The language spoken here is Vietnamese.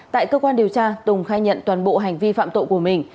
tại cơ quan điều tra tùng khai nhận toàn bộ hành vi phạm tội của mình